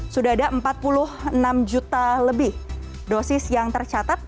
sudah ada empat puluh enam juta lebih dosis yang tercatat